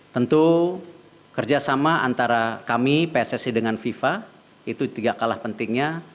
tentu kerjasama antara kami pssi dengan fifa itu tidak kalah pentingnya